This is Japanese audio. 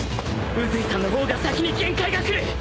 宇髄さんの方が先に限界がくる！